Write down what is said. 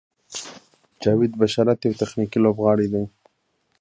جاوید بشارت یو تخنیکي لوبغاړی دی.